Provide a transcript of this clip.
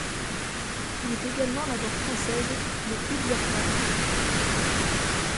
Il est également la voix française de Hugh Jackman.